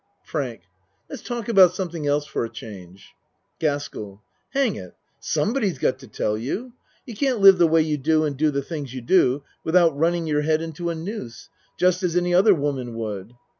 FRANK Let's talk about something else for a change. GASKELL Hang it! Somebody's got to tell you. You can't live the way you do and do the things you do without running your head into a noose just as any other woman would.